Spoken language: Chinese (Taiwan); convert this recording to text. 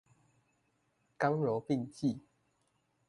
剛柔並濟